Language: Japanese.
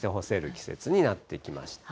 季節になってきましたね。